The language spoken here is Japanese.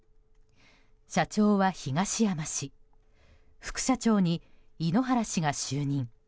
社長は東山氏副社長に井ノ原氏が就任。